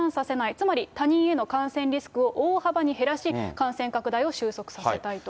つまり他人への感染リスクを大幅に減らし、感染拡大を収束させたいと。